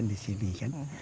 di sini kan